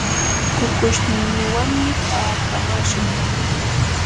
kukushninwanmi taakamashqa.